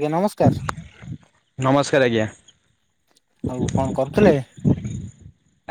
ଆଜ୍ଞା ନମସ୍କାର। ନମସ୍କାର ଆଜ୍ଞା। ଆଉ କଣ କରୁଥିଲେ।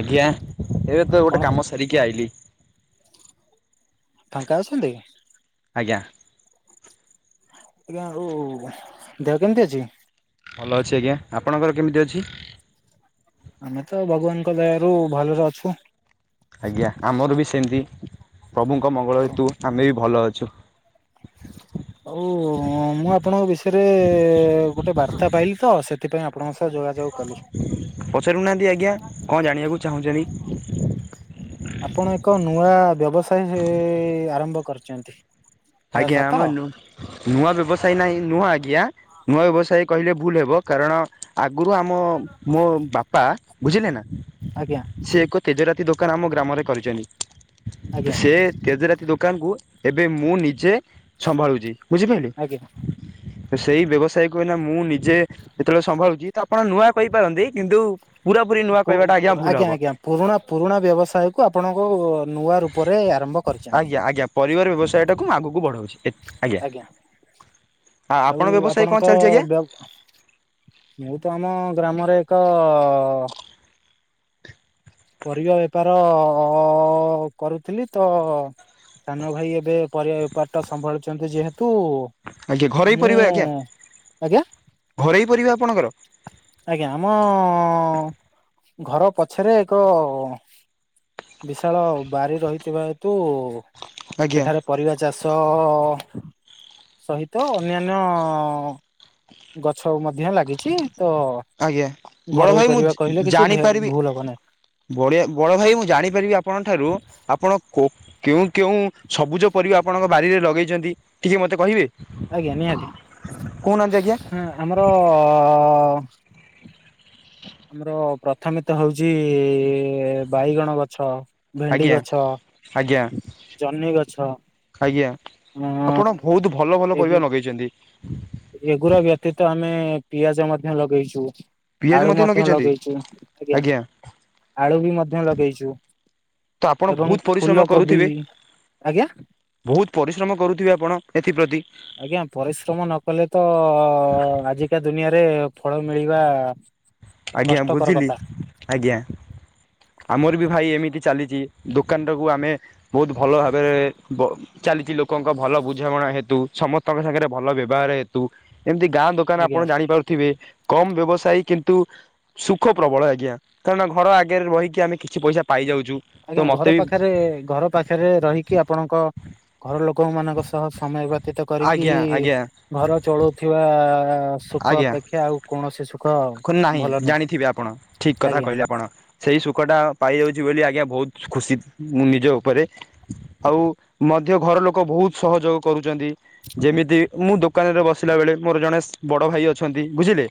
ଆଜ୍ଞା ଏବେ ତ କଣ ଗୋଟେ କାମ ସାରିକି ଆଇଲି। ଫାଙ୍କା ଅଛନ୍ତି? ଆଜ୍ଞା, ଆଜ୍ଞା ଆଉ ଦେହ କେମିତି ଅଛି? ଭଲ ଅଛି ଆଜ୍ଞା ଆପଣଙ୍କର କେମିତି ଅଛି? ଆମେ ତ ଭଗବାନଙ୍କ ଦୟା ରୁ ଭଲରେ ଅଛୁ। ଆଜ୍ଞା ଆମର ବି ସେମିତି ପ୍ରଭୁଙ୍କ ମଙ୍ଗଳ ହେତୁ ଆମେ ବି ଭଲ ଅ [unintelligible] ଆଉ ମୁଁ ଆପଣଙ୍କ ବିଷୟରେ ଗୋଟେ ବାର୍ତ୍ତା ପାଇଲି ତ ସେଥିପାଇଁ ଆପ୍ ପଚାରୁନାହାନ୍ତି ଆଜ୍ଞା କଣ ଜାଣିବାକୁ ଚାହୁଁଛନ୍ତି? ଆପଣ ଏକ ନୂଆ ବ୍ୟବସାୟ ଆରମ୍ଭ କରିଛନ୍ତି। ଏହା ଆଜ୍ଞା ସତ ଆମ ନୁ ନୂଆ ବ୍ୟବସାୟୀ ନାଇଁ ନୂଆ ଆଜ୍ଞା। ନୂଆ ବ୍ୟବସାୟୀ କହିଲେ ଭୁଲ ହେବ କାରଣ ଆଗରୁ ଆମ ମୋ ବାପା ବୁଝିଲେ ନା ଆଜ୍ଞା ସେ ଏକ ତେଜରାତି ଦୋକାନ ଆମ ଗ୍ରାମରେ କରିଛନ୍ତି। ତ ଆଜ୍ଞା ସେ ତେଜରାତି ଦୋକାନକୁ ଏବେ ମୁଁ ନିଜେ ସମ୍ଭାଳୁଛି। ବୁଝିପାଇଲେ ଆଜ୍ଞା ସେଇ ବ୍ୟବସାୟକୁ ଏଇନା ମୁଁ ନିଜେ ଯେତେବେଳେ ସମ୍ଭାଳୁଛି ତା ଆପଣ ନୂଆ କହିପାରନ୍ତି କିନ୍ତୁ, ପୁରାପୁରି ନୂଆ କୋ କହିବାଟା ଭୁଲ ଆଜ୍ଞା ହବ। ଆଜ୍ଞା ପୁରୁଣା ପୁରୁଣା ବ୍ୟବସାୟ କୁ ଆପଣଙ୍କ ଓ ଅ ଆଜ୍ଞା ଆଜ୍ଞା ପରିବାର ବ୍ୟବସାୟ ଟାକୁ ଆଗକୁ ବଢଉଛି। ଏ ଆଜ୍ଞା, ଆ ଆଉ ଆପଣ ବ୍ୟବସାୟ କଣ ଆପଣଙ୍କ ଚାଲିଛି ଆଜ୍ଞା? ବ ମୁଁ ତ ଆମ ଗ୍ରାମ ଆମର ଏକ ଅ ପରିବା ବେପାର ଅ କରୁଥିଲି ତ ସାନ ଭାଇ ଏବେ ପରିବା ବେପାର ଟା ସମ୍ଭାଳୁଛନ୍ତି ଯେହେତୁ ଆଜ୍ଞା ଘରୋଇ ତୁ ପରିବା ମୁଁ ଆଜ୍ଞା ଆଜ୍ଞା। ଘରୋଇ ପରିବା ଆପଣଙ୍କର ଆଜ୍ଞା ଆମ ଘର ପଛରେ ଏକ ବିଶାଳ ବାରି ରହିଥିବା ହେତୁ ଆଜ୍ଞା ସେଠାରେ ପରିବା ଚାଷ ତ ଅ ସହିତ ଅନ୍ୟାନ୍ୟ ଗଛ ମଧ୍ୟ ଲାଗିଚି ଆଜ୍ଞା ବଡ ଭାଇ ମୁଁ କହିଲେ କିଛି ଭେ ଜାଣିପାରିବି ଭୁଲ ହବ ନାହିଁ ବଢ଼ିଆ ବଡ ଭାଇ ମୁଁ ଜାଣିପାରିବି ଆପଣଙ୍କ ଠାରୁ ଆପଣ କୋ କେଉଁ କେଉଁ ସବୁଜ ପରିବା ଆପଣଙ୍କ ବାରିରେ ଲଗେଇଛନ୍ତି ଟିକେ ମତେ କହିବେ? ଆଜ୍ଞା ନିହାତି କହୁନାହାନ୍ତି ଆଜ୍ଞା। ହଁ ଆମର ଆମର ପ୍ରଥମେ ତ ହଉଛି ଇ ବାଇଗଣ ଗଛ। ଭେଣ୍ଡି ଆଜ୍ଞା ଗଛ, ଆଜ୍ଞା ଜହ୍ନି ଗଛ। ଆଜ୍ଞା ଆପଣ ବହୁତ ଭଲ ଭଲ ଏଗୁ ପରିବା ଲଗେଇଛନ୍ତି। ଏଗୁରା ବ୍ୟତୀତ ଆମେ ପିଆଜ ମଧ୍ୟ ଲଗେଇଛୁ। ପିଆଜ ଆଳୁ ମଧ୍ୟ ଲଗେଇଛନ୍ତି ଲଗେଇଛୁ ଆଜ୍ଞା ଆଳୁ ବି ମଧ୍ୟ ଲଗେଇଛୁ। ତ ଆପଣ ଏବଂ ବହୁତ ଫୁଲ ପରିଶ୍ରମ କୋବି କରୁଥିବେ। ଆଜ୍ଞା ବହୁତ ପରିଶ୍ରମ କରୁଥିବେ ଆପଣ ଏଥିପ୍ରତି। ଆଜ୍ଞା ପରିଶ୍ରମ ନ କଲେ ତ ଆଜିକା ଦୁନିଆରେ ଫଳ ମିଳିବା। ଆଜ୍ଞା କଷ୍ଟକର ବୁଝିଲି କଥା ଆଜ୍ଞା ଆମର ବି ଭାଇ ଏମିତି। ଚାଲିଛି ଦୋକାନଟାକୁ ଆମେ ବହୁତ ଭଲ ଭାବରେ ବ ଚାଲିଛି ଲୋକଙ୍କ ଭଲ ବୁଝାମଣା। ପା ହେତୁ ସମସ୍ତଙ୍କ ସାଙ୍ଗରେ ଭଲ ବ୍ୟବହାର ହେତୁ। ଏମିତି ଗାଁ ଦୋକାନ ଆପଣ ଆଜ୍ଞା। ଜାଣିପାରୁଥିବେ କମ ବ୍ୟବସାୟୀ କି ତୁ ସୁଖ ପ୍ରବଳ ଆଜ୍ଞା କାରଣ ଘର ଆଗରେ ରହିକି ଆମେ କିଛି ପଇସା ପାଇଯାଉ। ଆଜ୍ଞା ଘର ପାଖରେ ଘର ପାଖରେ ରହିକି ଆପଣଙ୍କ ଘର ଲୋକ କ ମାନଙ୍କ ସହ ସମୟ ବ୍ୟତୀତ କରିକି ଆଜ୍ଞା ଆଜ୍ଞା ଘର ଚଳଉଥିବା ଅ ସୁଖ ଆଜ୍ଞା ଅପେକ୍ଷା ଆଉ କୌଣସି ସୁ ନାହିଁ ଜାଣିଥିବେ ଆପଣ ଠିକ କଥା ଆଜ୍ଞା କହିଲେ ଆପଣ ସେଇ ସୁଖ ଟା ପାଇ ଯାଉଛି ବୋଲି ଆଜ୍ଞା ବହୁତ ଖୁସି ମୁଁ ନିଜ ଉପରେ ଆଉ ମଧ୍ୟ ଘର ଲୋକ ବହୁତ ସହଯୋଗ କରୁଛନ୍ତି। ଯେମିତି ମୁଁ ଦୋକାନରେ ବସିଲା ବେଳେ ମୋର ଜଣେ ବଡ ଭାଇ ଅଛନ୍ତି ବୁଝିଲେ।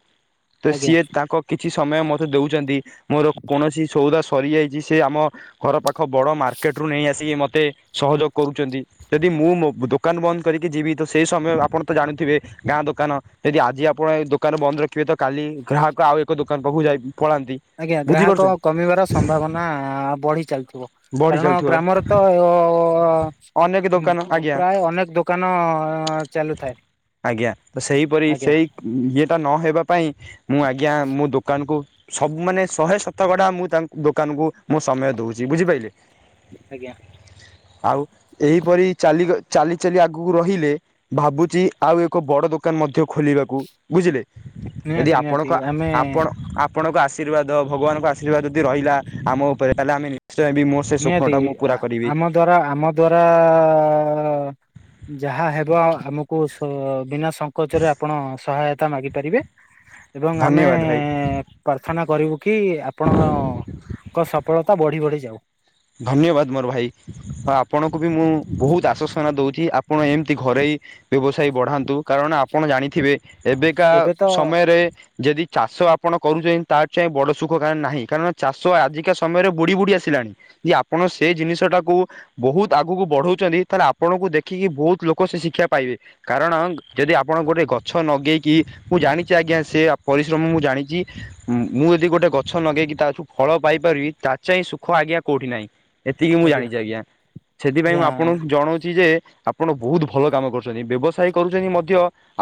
ତ ଆଜ୍ଞା ସିଏ ତାଙ୍କ କିଛି ସମୟ ମତେ ଦଉଛନ୍ତି ମୋର କୌଣସି ସଉଦା ସ ସରିଯାଇଛି ସେ ଆମ ଘର ପାଖ ବଡ଼ ମାର୍କେଟରୁୁ ନେଇ ଆସିକି ମତ ତେ ସହଯୋଗ କରୁଛନ୍ତି ଯଦି ମୁଁ ମୋ ଦୋକାନ ବନ୍ଦ କରିକି ଯିବି ତ ସେ ସମୟ ଆପଣ ତ ଜାଣୁଥିବେ ଗାଁ ଦୋକାନ ଯଦି ଆଜି ଆପଣ ଏ ଦୋକାନ ବନ୍ଦ ରଖିବେ ତ କାଲି ଗ୍ରାହକ ଆଉ ଏକ ଦୋକାନ ପାଖକୁ ଯାଇ ପଳାନ୍ତି। ଆଜ୍ଞା ଗ୍ରାହକ ବୁଝିପାରୁଛନ୍ତି କମିବାର ସମ୍ଭାବନା ବଢି ଚାଲିଥିବ ବଢ଼ି କାରଣ ଚାଲୁଥିବ ଗ୍ରାମରେ ତ ପ ଅନେକ ଦୋକାନ ଅ ଆଜ୍ଞା ପ୍ରାୟ ଅନେକ ଦୋକାନ ଚାଲୁଥାଏ। ଆଜ୍ଞା ତ ସେହିପରି ଆଜ୍ଞା ସେଇ ଇଏ ନହବା ପାଇଁ ମୁଁ ଆଜ୍ଞା ମୋ ଦୋକାନକୁ ସବୁ ମାନେ ଶହେ ଶତକଡା ମୁଁ ତାଙ୍କ ଦୋକାନକୁ ମୁ ସମୟ ଦଉଛି ବୁଝିପାରିଲେ। ଆଜ୍ଞା। ଆଉ ଏହିପରି ଚାଲି ଗ ଚାଲି ଚାଲି ଆଗକୁ ରହିଲେ ଭାବୁଛି ଆଉ ଏକ ବଡ ଦୋ ଦୋକାନ ମଧ୍ୟ ଖୋଲିବାକୁ ବୁଝିଲେ ଯଦି ନିହାତି ନିହାତି ଆପଣଙ୍କ ଆମେ ଆପଣ ଅପ୍ ଆପଣଙ୍କ ଆଶୀର୍ବାଦ ଭଗବାନଙ୍କ ଆଶୀର୍ବାଦ ଯଦି ରହିଲା ଆମ ଉପରେ ତାହେଲେ ଆମେ ନିଶ୍ଚୟ ବି ମୋ ସେ ନିହାତି ସ୍ୱପ୍ନଟା ମୁଁ ଆ ପୁରା କରିବି ଆମ ଦ୍ଵାରା ଆମ ଦ୍ୱାରା ଯାହା ହେବ ଆମକୁ ସ ବିନା ସଂଙ୍କୋଚରେ ଆପଣ ସହାୟତା ମାଗି ପାରିବେ। ଏବଂ ଆମେ ଧନ୍ୟବାଦ ଭାଇ। ପ୍ରାର୍ଥନା କରିବୁ କି ଆପଣଙ୍କ ସ ସଫଳତା ବଢ଼ି ବଢ଼ି ଯାଉ। ଧନ୍ୟବାଦ ମୋର ଭାଇ ଆପଣଙ୍କୁ ବି ମୁଁ ବହୁତ ଆସଶ୍ୱନା ଦଉଛି ଆପଣ ଏମିତି ଘରଇ ବ୍ୟବସାୟ ବଢାନ୍ତୁ କାରଣ ଆପଣ ଜାଣି ଥିବେ ଏବେକା ଏବେ ତ ସମୟରେ ଯଦି ଚାଷ ଆପଣ କରୁଛନ୍ତି ତା ଚାଇଁ ବଡ ସୁଖ କାର ନାହିଁ କାରଣ ଚାଷ ଆଜିକା ସମୟରେ ବୁଡି ବୁଡି ଆସିଲାଣି। ଯଦି ଆପଣ ସେ ଜିନିଷ ଟାକୁ ବହୁତ ଆଗକୁ ବଢଉଛନ୍ତି ତାହେଲେ ଆପଣଙ୍କୁ ଦେଖିକି ବହୁତ ଲୋକ ସେ ଶିକ୍ଷା ପାଇବେ କାରଣ ଯଦି ଆପଣ ଗୋଟେ ଗଛ ନଗେଇକି ମୁଁ ଜାଣିଛି ଆଜ୍ଞା ସେ ପରିଶ୍ରମ ମୁ ଜାଣିଛି ମୁଁ ଯଦି ଗୋଟେ ଗଛ ଲଗେଇକି ତା ଥିରୁ ଫଳ ପାଇପାରିବି ତା ଚାହିଁ ସୁଖ ଆଜ୍ଞା କୋଉଠି ନାହିଁ ଏତିକି ମୁଁ ଜାଣିଛି ଆଜ୍ଞା ସେଥିପାଇଁ ମୁଁ ଆଜ୍ଞା ଆପଣଙ୍କୁ ଜଣଉଛି ଯେ ଆ ଆପଣ ବହୁତ ଭଲ କାମ କରୁଛନ୍ତି ବ୍ୟବସାୟ କରୁଛନ୍ତି ମଧ୍ୟ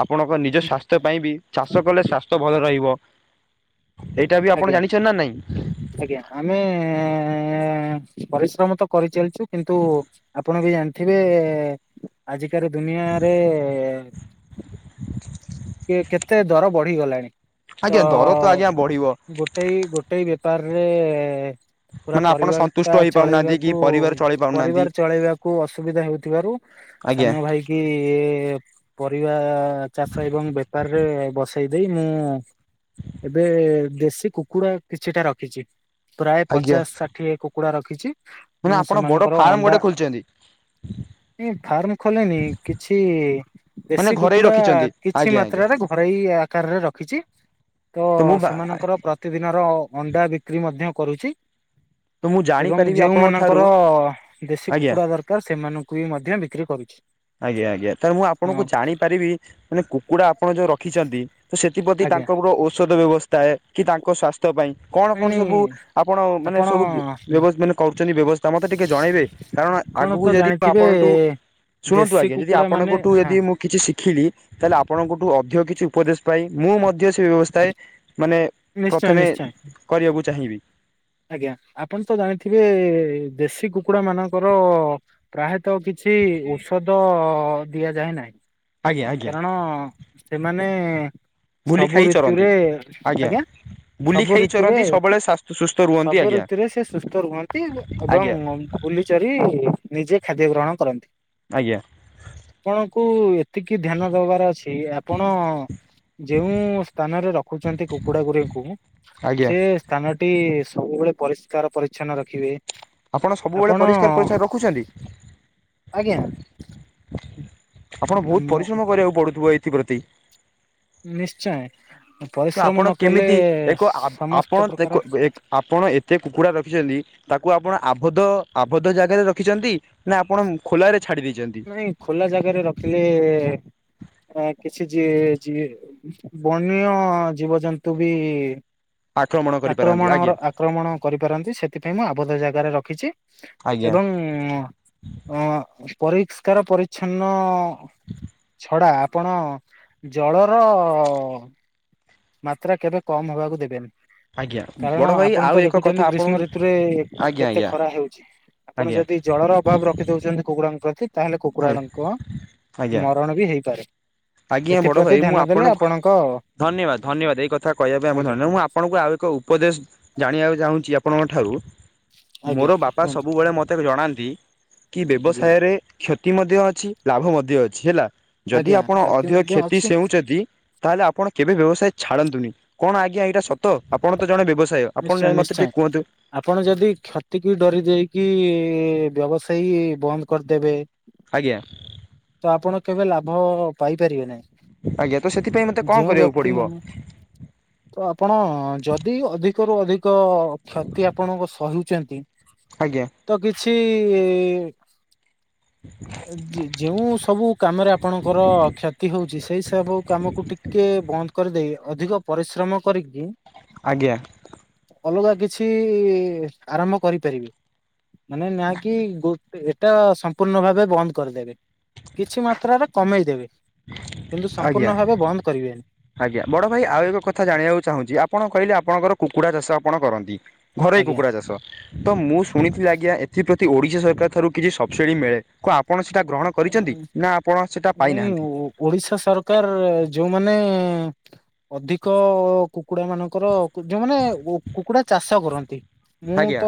ଆପଣଙ୍କ ନିଜ ସ୍ୱାସ୍ଥ୍ୟ ପାଇଁ ବି ଚାଷ କଲେ ସ୍ୱାସ୍ଥ୍ୟ ଭଲ ରହିବ। ଏଇଟା ବି ଆପଣ ଆଜ୍ଞା ଜାଣିଛନ୍ତି ନା ନାଇଁ ଆଜ୍ଞା। ଆମେ ଏ ପରିଶ୍ରମ ତ କରିଚାଲିଚେ କିନ୍ତୁ ଆପଣ ବି ଜାଣିଥିବେ। ଆଜିକାର ଦୁନିଆରେ ଏ କେ କେତେ ଦର ବଢିଗଲାଣି। ତ ଆଜ୍ଞା ଦର ତ ଆଜ୍ଞା ବଢିବ ଗୋଟେଇ ଗୋଟେଇ ବେପାରରେ ଏ ପୁରା ମାନେ ଆପଣ ପରିବାର ସନ୍ତୁଷ୍ଟ ଟା ହେଇପାରୁନାହାନ୍ତି କି ଚଳେଇବାକୁ ପରିବାର ଚଳେଇ ପାରୁନାହାନ୍ତି ପରିବାର ଚଳେଇବାକୁ ଅସୁବିଧା ହେଉଥିବାରୁ ଆଜ୍ଞା ସାନ ଭାଇ କି ପରିବା ଆ ଚାଷ ବେପାର ରେ ବସ ସେଇ ଦେଇ ମୁଁ ଏବେ ଦେଶୀ କୁକୁଡା କିଛିଟା ରଖିଚି ପ୍ରାୟ ଆଜ୍ଞା ପଚାଶ ଷାଠିଏ କୁକୁଡା ରଖିଛି ମାନେ ମୁଁ ଆପଣ ବଡ ସେମାନଙ୍କର ଫାର୍ମ ଅଣ୍ଡା ଗୋଟେ ଖୋଲିଛନ୍ତି ଏ ଫାର୍ମ ଖୋଲିନି କିଛି ମାନେ ଦେଶୀ ଘରେଇ କୁକୁଡ଼ା ରଖିଛନ୍ତି କିଛି ଆଜ୍ଞା ଆଜ୍ଞା ମାତ୍ରାରେ ଘରୋଇ ଆକାରରେ ରଖିଛି ତ ସେମାନଙ୍କର ପ୍ରତିଦିନର ଅଣ୍ଡା ବିକ୍ରି ମଧ୍ୟ କରୁଛି। ତୁମ ଏବଂ ଯେଉଁମାନଙ୍କର ଦେଶୀ ଆଜ୍ଞା କୁକୁଡା ଦରକାର ସେମାନଙ୍କୁ ବି ମଧ୍ୟ ବିକ୍ରି କରୁଛି। ଆଜ୍ଞା ଆଜ୍ଞା ତାହେଲେ ଲେ ମୁଁ ଆପଣଙ୍କୁ ହଁ ଜାଣିପାରିବି ମାନେ କୁ କୁକୁଡା ଆପଣ ଯୋଉ ରଖିଛନ୍ତି ତ ସେଥିପ୍ରତି ଆଜ୍ଞା ତାଙ୍କର ଔଷଧ ବ୍ୟବସ୍ଥା ଥାଏ କି ତାଙ୍କ ସ୍ୱାସ୍ଥ୍ୟ ପାଇଁ କଣ ନାଇଁ କଣ ନାଇଁ ସବୁ ଆପଣ ମାନେ ସବୁ ବ୍ୟବ ମାନେ କରୁଛନ୍ତି ବ୍ୟବ ସ୍ଥା ମତେ ଟିକେ ଜଣେଇବେ କାରଣ ଆପଣ ଆଗକୁ ତ ଯଦି ମୁଁ ଜାଣିଥିବେ ଆପଣଠୁ ଶୁଣନ୍ତୁ ଦେଶୀ ଆଜ୍ଞା ଯଦି କୁକୁଡ଼ା ମାନେ ଆପଣଙ୍କ ଠୁ ହଁ ଯଦି ମୁଁ କିଛି ଶିଖିଲି ତାହେଲେ ଆପଣଙ୍କଠୁ ଅଧିକ କିଛି ଉପଦେଶ ପାଇ ମୁଁ ମଧ୍ୟ ସେ ବ୍ୟବସ୍ଥାଏ ମାନେ ନିଶ୍ଚୟ ପ୍ରଥମେ ନିଶ୍ଚୟ କରିବାକୁ ଚାହିଁ ବି। ଆଜ୍ଞା। ଆପଣ ତ ଜାଣିଥିବେ ଦେଶୀ କୁ କୁଡା ମାନଙ୍କର ପ୍ରାୟତଃ କିଛି ଔଷଧ ଦିଆଯାଏ ନାହିଁ। ଆଜ୍ଞା ଆଜ୍ଞା କାରଣ ସେମାନେ ବୁଲି ସବୁ ଖାଇ ଚରନ୍ତି ଋତୁରେ ଆଜ୍ଞା ବୁଲି ସବୁ ଖାଇ ଋତୁରେ ଚରନ୍ତି ସବୁବେଳେ ସୁସ୍ଥ ରୁହନ୍ତି ସବୁ ଆଜ୍ଞା ଋତୁରେ ସେ ସୁସ୍ଥ ରୁହନ୍ତି ଏବଂ ଆଜ୍ଞା ବୁଲି ଚରି ନିଜେ ଖାଦ୍ୟ ଗ୍ରହଣ କରନ୍ତି, ଆଜ୍ଞା ଆପଣଙ୍କୁ ଏତିକି ଧ୍ୟାନ ଦବାର ଅଛି ଆପଣ ଯେଉଁ ସ୍ଥାନରେ ରଖୁଚନ୍ତି କୁକୁଡା ଗୁଡିକୁ ଆଜ୍ଞା ସେ ସ୍ଥାନଟି ସବୁବେଳେ ପରିଷ୍କାର ପରିଚ୍ଛନ୍ନ ରଖିବେ। ସବୁବେଳେ ଆପଣ ପରିଷ୍କାର ପରିଚ୍ଛନ୍ନ ରଖୁଛନ୍ତି ଆଜ୍ଞା। ଆପଣ ବହୁତ ଆମ ପରିଶ୍ରମ କରିବାକୁ ପଡୁଥିବ ଏଇଥିପ୍ରତି? ନିଶ୍ଚୟ। ତ ପରିଶ୍ରମ ନ ଆପଣ କଲେ କେମିତି ଏକ ଆପ ଆ ସମସ୍ତ ଆପଣ ପ୍ରକାର ଦେଖ ଏକ୍ ଆପଣ ଏତେ କୁକୁଡ଼ା ରଖିଚନ୍ତି ତାକୁ ଆପଣ ଆବଦ୍ଧ ଆବଦ୍ଧ ଜାଗାରେ ରଖିଚନ୍ତି ନା ଆପଣ ଖୋଲାରେ ଛାଡ଼ି ଦେଇଛନ୍ତି ନାଇଁ ଖୋଲା ଜାଗାରେ ରଖିଲେ ଏ କିଛି ଯିଏ ଯିଏ ବଣୀୟ ଜୀବଜନ୍ତୁ ବି ଆକ୍ରମଣ କରିପାରନ୍ତି ଆକ୍ରମଣ ଆଜ୍ଞା ଆକ୍ରମଣ କରିପାରନ୍ତି ସେଥିପାଇଁ ମୁଁ ଆବଦ୍ଧ ଜାଗାରେ ରଖିଚି। ଆଜ୍ଞା ଏବଂ ଅ ପରିଷ୍କାର ପରିଚ୍ଛନ୍ନ [inaudible] ଖଡା ଆପଣ ଜଳର ମାତ୍ରା କେବେ କମ ହବାକୁ ଦେବେନି। ଆଜ୍ଞା କାରଣ ବଡ଼ ଭାଇ ଆପଣ ଆଉ ତ ଏକ କଥା ଦେଖୁଚନ୍ତି ଆପଣ ଗ୍ରୀଷ୍ମ ଋତୁରେ ଆଜ୍ଞା କେତେ ଆଜ୍ଞା ଖରା ହେଉଚି। ଆପଣ ଆଜ୍ଞା ଯଦି ଜଳର ଅଭାବ ରଖି ଦଉଚନ୍ତି କୁକୁଡ଼ାଙ୍କ ପାଇଁ ତାହେଲେ କୁକୁରଡ଼ାଙ୍କ ଆଜ୍ଞା ମରଣ ବି ହେଇପାରେ। ଆଜ୍ଞା ବଡ ଏଥିପ୍ରତି ଭାଇ ମୁଁ ଧ୍ୟାନ ଦେଲେ ଆପଣଙ୍କୁ ଆପଣଙ୍କ ଧନ୍ୟବାଦ। ଧନ୍ୟବାଦ, ଏଇ କଥା କହିବା ପାଇଁ ଆମ ଆଜ୍ଞା ଧନ୍ୟବାଦ ମୁଁ ଆପଣଙ୍କୁ ଆଉ ଏକ ଉପଦେଶ ଜାଣିବାକୁ ଚାହୁଁଚି ଆପଣଙ୍କ ଠାରୁ ଆଜ୍ଞା ମୋର ବାପା କୁହନ୍ତୁ ସବୁବେଳେ ମୋତେ ଜଣାନ୍ତି କି ଆଜ୍ଞା ବ୍ୟବସାୟରେ କ୍ଷତି ମଧ୍ୟ ଅଛି ଲାଭ ମଧ୍ୟ ଅଛି ହେଲା ଯଦି ଆଜ୍ଞା ଆ ପଣ କ୍ଷତି ଅଧିକ ମଧ୍ୟ କ୍ଷତି ଅଛି ସେଉଚନ୍ତି, ତାହେଲେ ଆପଣ କେବେ ବ୍ୟବସାୟ ଛାଡ଼ନ୍ତ ତୁନି କଣ ଆଜ୍ଞା ଏଇଟା ସତ ଆପଣ ତ ଜଣେ ବ୍ୟବ ନିଶ୍ଚୟ ନିଶ୍ଚୟ। ଆପଣ ଯଦି କ୍ଷତିକୁ ଡରି ଯାଇ କି ବ୍ୟବସାୟୀ ବନ୍ଦ କରିଦେବେ। ଆଜ୍ଞା। ତ ଆପଣ କେବେ ଲାଭ ପାଇପାରିବେ ନାହିଁ। ଆଜ୍ଞା ତ ସେଥିପାଇଁ ମତେ କଣ ଯେଉଁ କରିବାକୁ ବ୍ୟକ୍ତି ପଡିବ? ମାନେ ତ ଆପଣ ଯଦି ଅଧିକରୁୁ ଅଧିକ କ୍ଷତି ଆପଣଙ୍କ ସହିଚନ୍ତି ଆଜ୍ଞା। କି? ଅ ଯ ଯେଉଁ ସବୁ କାମରେ ଆପଣଙ୍କର କ୍ଷତି ହଉଛି ସେଇ ସବୁ କାମକୁ ଟିକେ ଏ ବନ୍ଦ କରିଦେଇ ଅଧିକ ପରିଶ୍ରମ କରିକି ଆଜ୍ଞା। ଅଲଗା କିଛି ଆରମ୍ଭ କରିପାରିବି ମାନେ ନା କି ଗୋ ପେ ଏଇଟା ସମ୍ପୂର୍ଣ୍ଣ ଭାବେ ବନ୍ଦ କରିଦେବେ କିଛି ମାତ୍ରାରେ କମେଇଦେବେ। କିନ୍ତୁ ଆଜ୍ଞା। ସମ୍ପୂର୍ଣ୍ଣ ଭାବେ ବନ୍ଦ କରିବେନି। ଆଜ୍ଞା ବଡ ଭାଇ ଆଉ ଏକ କଥା ଜାଣିବାକୁ ଚାହୁଁଚି ଆପଣ କହିଲେ ଆପଣଙ୍କର କୁକୁଡା ଚାଷ ଆପଣ କରନ୍ତି। ଘରୋଇ ଆଜ୍ଞା କୁକୁଡ଼ା ଚାଷ ତ ମୁଁ ଶୁଣିଥିଲି ଆଜ୍ଞା ଏଥିପ୍ରତି ଓଡିଶା ସରକାର ଠାରୁ କିଛି ସ ଛେଳି ମିଳେ କୁ ଆପଣ ସେଟା ଗ୍ରହଣ ଅଁ କରିଛନ୍ତି ଇ ନା ଆପଣ ସେଟା ନାଇଁ ପାଇନାହାନ୍ତି ଓ ଓଡିଶା ସରକାର ଯଉମାନେ ଆଁ, ଅଧିକ କୁକୁଡା ମାନଙ୍କର କୁ, ଯୋଉମାନେ ଗୁ, କୁକୁଡା ଚାଷ କର ନ୍ତି। ମୁଁ ତ ଆଜ୍ଞା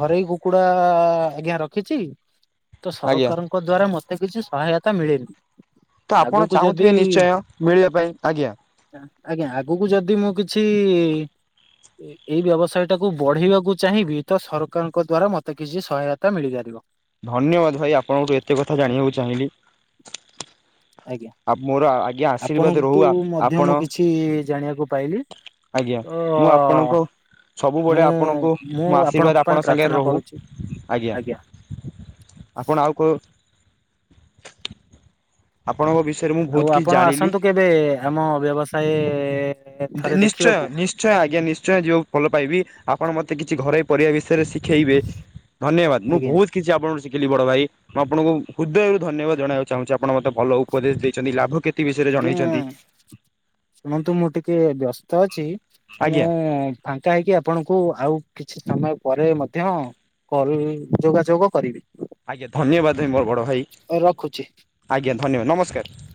ଘରୋଇ କୁକୁଡା ଆଜ୍ଞା, ରଖିଛି। ତ ଆଜ୍ଞା। ସରକାରଙ୍କ ଦ୍ଵାରା ମତେ କିଛି ସହାୟତା, ମିଳେନି। ତ ଆପଣ ଆଗକୁ ଯଦି ଚାହୁଁଥିବେ ନିଶ୍ଚୟ ମିଳିବା ପାଇଁ? ଆଜ୍ଞା। ଆଜ୍ଞା, ଆଗକୁ ଯଦି ମୁଁ କିଛି ଏ, ଏଇ ବ୍ୟବସାୟ ଟାକୁ ବଢେଇବାକୁ ଚାହିଁବି, ତ ସରକାରଙ୍କ ଦ୍ଵାରା ମତେ କିଛି ସହାୟତା ମିଳିଯାରିବ। ଧନ୍ୟବାଦ ଭାଇ, ଆପଣଙ୍କଠୁ ଏତେ କଥା ଜାଣିବାକୁ ଚାହିଁଲିି। ଆଜ୍ଞା ଆ' ମୋର ଆଜ୍ଞା ଆଶୀର୍ବାଦ ରହୁ, ଆପଣଙ୍କଠୁ ଆ ମଧ୍ୟ ମୁଁ ଆପଣ କିଛି ଜାଣିବାକୁ ପାଇଲି। ଆଜ୍ଞା ତ ମୁଁ ଆପଣଙ୍କ ମୁଁ ସବୁବେଳେ ଆପଣଙ୍କୁ ମୁଁ ଆଶୀର୍ବାଦ ପାଇଁ ଆପଣଙ୍କ ସାଙ୍ଗରେ ପ୍ରାର୍ଥନା ରହୁ କରୁଛି। ଆଜ୍ଞା। ଆପଣ ଆଉ କୋ, ଆପଣଙ୍କ ବିଷ ଆଉ' ଆପଣ ଆସନ୍ତୁ କେବେ, ଆମ ବ୍ୟବସାୟେ ଦି, ନିଶ୍ଚୟ ନିଶ୍ଚୟ, ଆଜ୍ଞା' ନିଶ୍ଚୟ ଯିବାକୁ ଭଲ ପାଇବି। ଆ ଆପଣ ମତେ କିଛି ଘରୋଇ ପରିବା ବିଷୟରେ, ଶିଖେଇବେ? ଧନ୍ୟବାଦ ମୁଁ ଆଜ୍ଞା ବହୁତ କିଛି ଆପଣଙ୍କଠୁ ଶି ଥିଲି ବଡ ଭାଇ, ମୁଁ ଆଣଙ୍କୁ ହୃଦୟରୁ ଧନ୍ୟବାଦ ଜଣାଇକୁ ଚାହୁଁଛି, ଆପ ଆପଣ ମତେ ଭଲ ଉପଦେଶ ଦେଇଛନ୍ତି। ଲାଭ, କ୍ଷତି ବିଷୟରେ ଆଜ୍ଞା ଜଣେଇଛନ୍ତି। କେ ବ୍ୟସ୍ତ ଅଛି, ମୁଁ ଫାଙ୍କା ହେଇକି ଆପଣଙ୍କୁ ଆଉ କିଛି ସମୟ ପରେ ମଧ୍ୟ କଲ୍ ଯୋଗା, ଯୋଗ କରିବି। ଆଜ୍ଞା'। ଧନ୍ୟବାଦ ମୋ ବଡ଼ ଭାଇ, ରଖୁଛି। ଆଜ୍ଞା ଧନ୍ୟବାଦ ନମସ୍କାର।